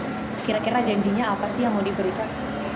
kira kira janjinya apa sih yang mau diberikan